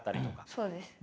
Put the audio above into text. そうです。